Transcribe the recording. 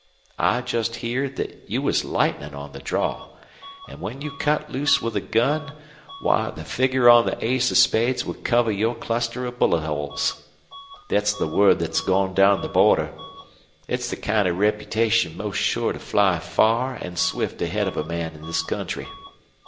I jest heerd thet you was lightnin' on the draw, an' when you cut loose with a gun, why the figger on the ace of spades would cover your cluster of bullet holes. Thet's the word thet's gone down the border. It's the kind of reputation most sure to fly far an' swift ahead of a man in this country.